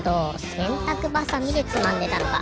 せんたくばさみでつまんでたのか。